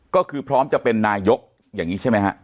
ก็คือพร้อมจะเป็นนายกอย่างนี้ใช่ไหมฮะ